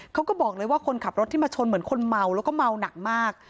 เขาก็บอกเลยว่าคนขับรถที่มาชนเหมือนคนเมาแล้วก็เมาหนักมาก